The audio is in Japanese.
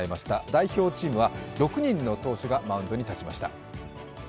代表チームは６人の投手がマウンドに立ちました。